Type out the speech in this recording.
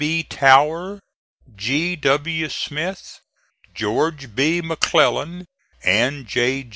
B. Tower, G. W. Smith, George B. McClellan, and J.